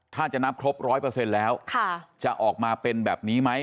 ถ้าจะนับครบร้อยเปอร์เซ็นต์แล้วค่ะจะออกมาเป็นแบบนี้ไหม